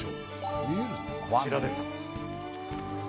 こちらです。